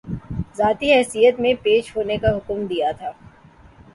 ذاتی حیثیت میں پیش ہونے کا حکم دیا تھا